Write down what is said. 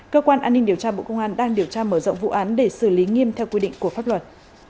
cơ quan an ninh điều tra bộ công an đang điều tra mở rộng vụ án để xử lý nghiêm theo quy định của pháp luật